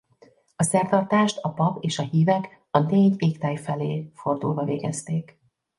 A szertartást a pap és a hívek a négy égtáj felé fordulva végezték.